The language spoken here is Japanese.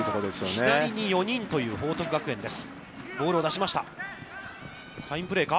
左に４人という報徳学園です。